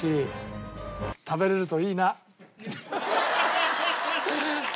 食べれるといいな。